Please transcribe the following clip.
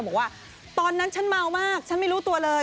บอกว่าตอนนั้นฉันเมามากฉันไม่รู้ตัวเลย